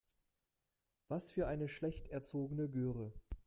Was für eine schlecht erzogene Göre.